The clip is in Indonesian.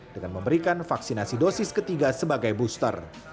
dengan memberikan vaksinasi dosis ketiga sebagai booster